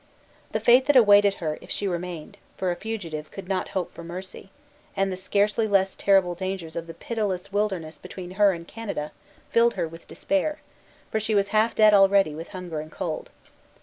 The fate that awaited her, if she remained, for a fugitive could not hope for mercy, and the scarcely less terrible dangers of the pitiless wilderness between her and Canada, filled her with despair, for she was half dead already with hunger and cold.